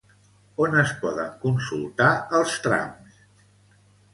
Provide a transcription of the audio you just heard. On es poden consultar els trams?